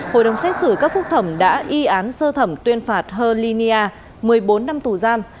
hội đồng xét xử các phúc thẩm đã y án sơ thẩm tuyên phạt hơ ly nia một mươi bốn năm tù giam